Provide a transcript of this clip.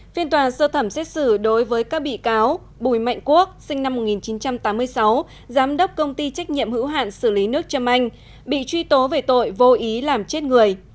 phiên tòa sơ thẩm xét xử đối với các bị cáo bùi mạnh quốc sinh năm một nghìn chín trăm tám mươi sáu giám đốc công ty trách nhiệm hữu hạn xử lý nước trâm anh bị truy tố về tội vô ý làm chết người